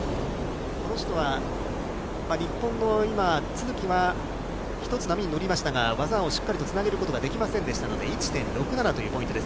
この人は、日本の今、都筑は１つ波に乗りましたが、技をしっかりつなげることができませんでしたので、１．６７というポイントです。